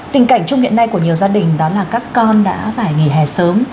tình cảnh chung hiện nay của nhiều gia đình đó là các con đã phải nghỉ hè sớm